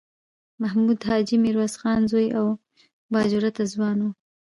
محمود حاجي میرویس خان زوی او با جرئته ځوان و.